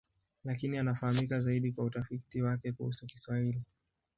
Lakini anafahamika zaidi kwa utafiti wake kuhusu Kiswahili.